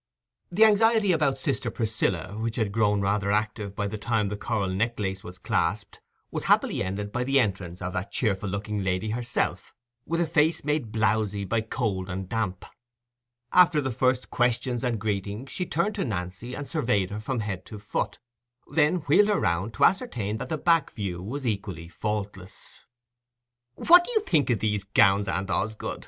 The anxiety about sister Priscilla, which had grown rather active by the time the coral necklace was clasped, was happily ended by the entrance of that cheerful looking lady herself, with a face made blowsy by cold and damp. After the first questions and greetings, she turned to Nancy, and surveyed her from head to foot—then wheeled her round, to ascertain that the back view was equally faultless. "What do you think o' these gowns, aunt Osgood?"